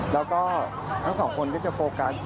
แล้วก็ทั้งสองคนก็จะโฟกัส